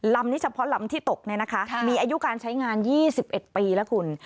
ลำนี้เฉพาะลำที่ตกมีอายุการใช้งาน๒๑ปีแล้วคุณ